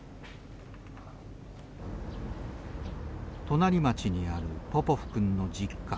隣町にあるポポフ君の実家。